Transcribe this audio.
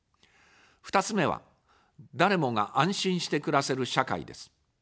２つ目は、誰もが安心して暮らせる社会です。